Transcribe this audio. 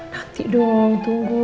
nanti dong tunggu